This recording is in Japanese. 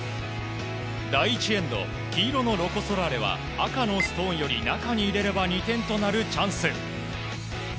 第１エンド黄色のロコ・ソラーレは赤のストーンより中に入れれば２点となるチャンス。